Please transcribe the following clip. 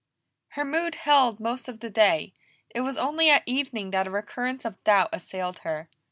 Her mood held most of the day; it was only at evening that a recurrence of doubt assailed her.